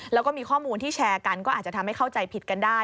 แล้วก็มีข้อมูลที่แชร์กันก็อาจจะทำให้เข้าใจผิดกันได้